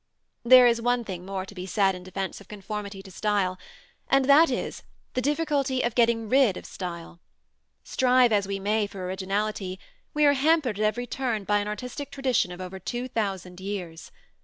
There is one thing more to be said in defence of conformity to style; and that is, the difficulty of getting rid of style. Strive as we may for originality, we are hampered at every turn by an artistic tradition of over two thousand years.